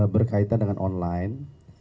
berkaitan dengan online